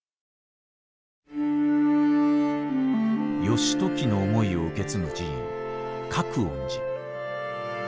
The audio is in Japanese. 義時の思いを受け継ぐ寺院覚園寺。